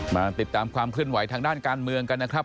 มาติดตามความเคลื่อนไหวทางด้านการเมืองกันนะครับ